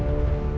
ya enggak apa apa